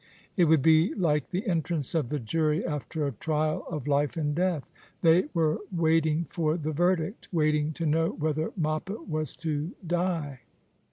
It would be like the entrance of the jury after a trial of life and death. They were waiting for the verdict ; waiting to know whether Mojjpet was to die.